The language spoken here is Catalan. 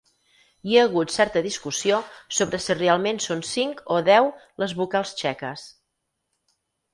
Hi ha hagut certa discussió sobre si realment són cinc o deu les vocals txeques.